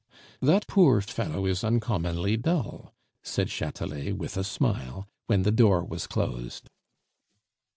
"That poor fellow is uncommonly dull," said Chatelet, with a smile, when the door was closed.